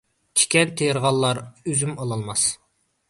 تىكەن تېرىغانلار ئۈزۈم ئالالماس.